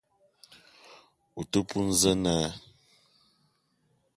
O te poun za na?